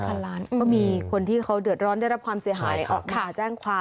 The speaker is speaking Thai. ก็มีคนที่เขาเดือดร้อนได้รับความเสียหายข่าวแจ้งความ